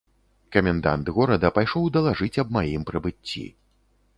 Камендант горада пайшоў далажыць аб маім прыбыцці.